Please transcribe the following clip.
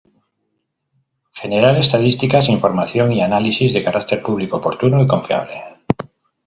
Generar estadísticas, información y análisis, de carácter público oportuno y confiable.